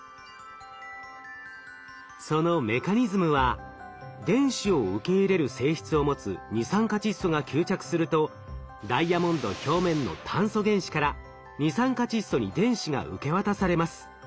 そのメカニズムは電子を受け入れる性質を持つ二酸化窒素が吸着するとダイヤモンド表面の炭素原子から二酸化窒素に電子が受け渡されます。